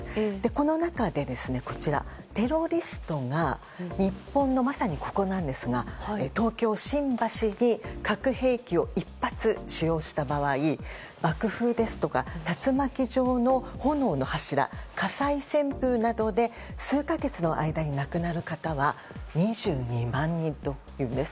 この中で、テロリストが日本のまさにここなんですが東京・新橋に核兵器を１発使用した場合爆風や竜巻状の炎の柱火災旋風などで数か月の間に亡くなる方は２２万人というんです。